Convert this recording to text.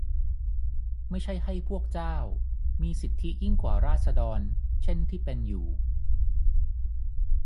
ไม่ใช่ให้พวกเจ้ามีสิทธิยิ่งกว่าราษฎรเช่นที่เป็นอยู่